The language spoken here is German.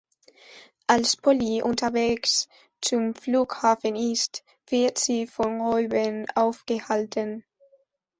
Als Polly unterwegs zum Flughafen ist, wird sie von Reuben aufgehalten.